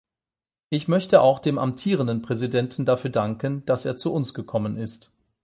Ich möchte auch dem amtierenden Präsidenten dafür danken, dass er zu uns gekommen ist.